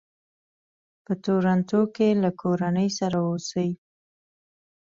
په ټورنټو کې له کورنۍ سره اوسي.